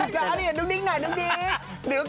จ้ะทำไมปาก